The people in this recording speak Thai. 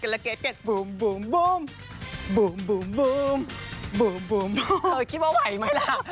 เราคิดว่าไหวไหมล่ะ